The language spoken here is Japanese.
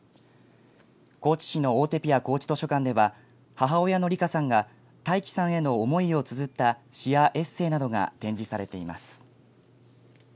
高知市のオーテピア高知図書館では母親の理夏さんが大輝さんへの思いをつづった詩やエッセーなどが展示されています。